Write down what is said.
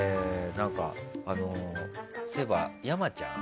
そういえば、山ちゃん。